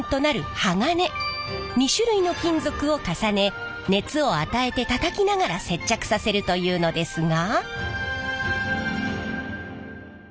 ２種類の金属を重ね熱を与えてたたきながら接着させるというのですが。